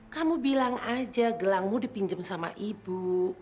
kamu bilang aja gelangmu dipinjam sama ibu